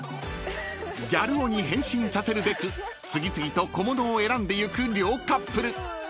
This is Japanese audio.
［ギャル男に変身させるべく次々と小物を選んでゆく両カップル］